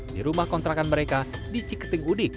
di rumah kontrakan mereka di ciketing udik